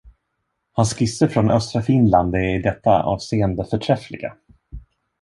Hans skisser från östra Finland är i detta avseende förträffliga.